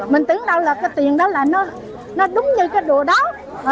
mình tưởng là cái tiền đó là nó đúng như cái đùa đó